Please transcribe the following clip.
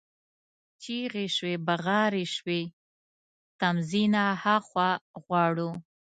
چیغي شوې، بغارې شوې: تمځي نه ها خوا غواړو،